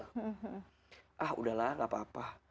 ah udahlah gak apa apa